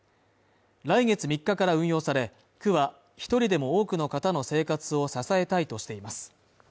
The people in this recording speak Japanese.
来月３日から運用され、区は１人でも多くの方の生活を支えたいとしています。